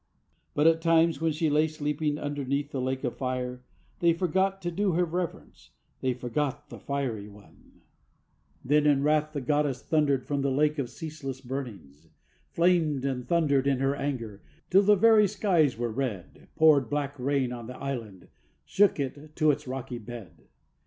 But, at times, when she lay sleeping, underneath the lake of fire, They forgot to do her reverence, they forgot the fiery one; Then in wrath the goddess thundered from the Lake of Ceaseless Burnings, Flamed and thundered in her anger, till the very skies were red, Poured black ruin on the island, shook it to its rocky bed.